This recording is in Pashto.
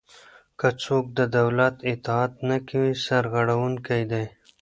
که څوک د دولت اطاعت نه کوي سرغړونکی دی.